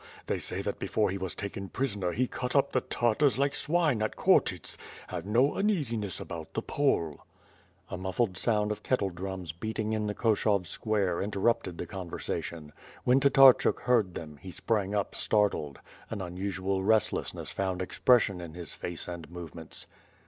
They say that before he was taken prisoner he cut up the Tartars like swine at Khortyts. Have no uneasiness about the Pole." A muffleil sound of kettle drums beating in the Koshov square interrupted the conversation. When Tatarchuk heard them, he sprang up startled. An unusual restlessness found expression in his face and movements.